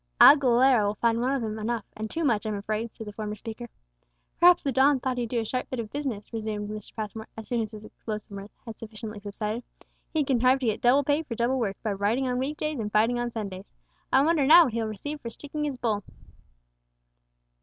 "Aguilera will find one of them enough, and too much, I'm afraid," said the former speaker. "Perhaps the don thought that he'd do a sharp bit of business," resumed Mr. Passmore, as soon as his explosive mirth had sufficiently subsided; "he'd contrive to get double pay for double work, by writing on week days and fighting on Sundays. I wonder now what he'll receive for sticking his bull!"